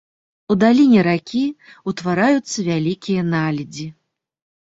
У даліне ракі ўтвараюцца вялікія наледзі.